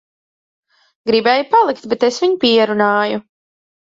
Gribēja palikt, bet es viņu pierunāju.